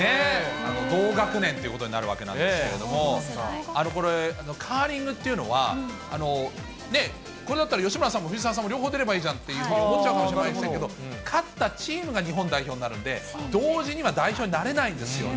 同学年ということになるわけなんですけれども、これ、カーリングっていうのは、これだったら吉村さんも藤澤さんも両方出ればいいじゃんって思うかもしれないですけど、勝ったチームが日本代表になるんで、同時には代表になれないんですよね。